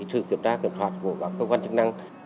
sự kiểm tra kiểm soát của các cơ quan chức năng